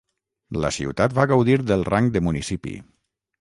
La ciutat va gaudir del rang de municipi.